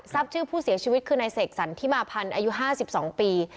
ชื่อผู้เสียชีวิตคือนายเสกสรรทิมาพันธ์อายุ๕๒ปี